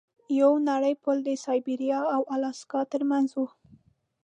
یو نری پل د سایبریا او الاسکا ترمنځ و.